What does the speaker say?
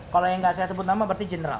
kalau yang nggak saya sebut nama berarti general